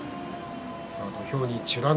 土俵に美ノ